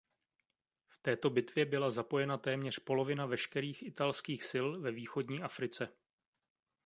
V této bitvě byla zapojena téměř polovina veškerých italských sil ve Východní Africe.